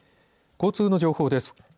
交通の情報です。